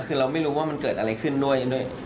คือเราไม่รู้ว่ามันเกิดอะไรขึ้นด้วย